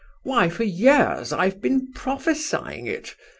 Why, for years I have been prophesying it!